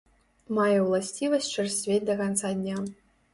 Мае ўласцівасць чарсцвець да канца дня.